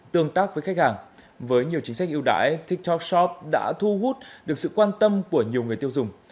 tương tác với khách hàng với nhiều chính sách ưu đãi tiktok shop đã thu hút được sự quan tâm của nhiều người tiêu dùng